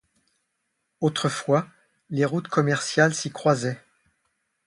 Autrefois, les routes commerciales s'y croisaient.